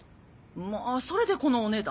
まあそれでこのお値段。